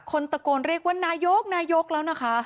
คนตะโกนเรียกว่านายกนายกแล้วนะคะ